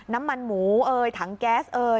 น้ำมันหมูถังแก๊ส